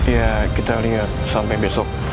ya kita lihat sampai besok